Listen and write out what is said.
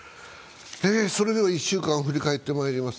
それでは１週間を振り返ってまいります